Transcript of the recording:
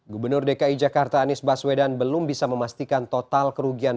gubernur dki jakarta anies baswedan belum bisa memastikan total kerugian